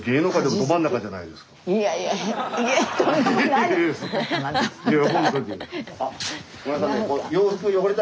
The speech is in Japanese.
ごめんなさい